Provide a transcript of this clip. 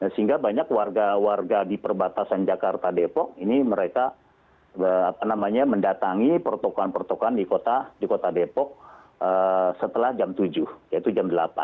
sehingga banyak warga warga di perbatasan jakarta depok ini mereka mendatangi protokol protokol di kota depok setelah jam tujuh yaitu jam delapan